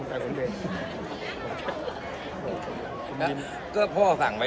ช่วงนี้ลอนน้วยว่า